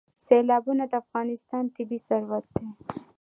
سیلابونه د افغانستان طبعي ثروت دی.